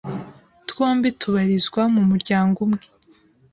twombi tubarizwa mu muryango umwe